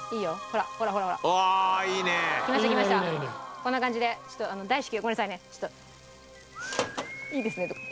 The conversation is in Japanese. こんな感じでちょっと大至急ごめんなさいねちょっといいですねとか。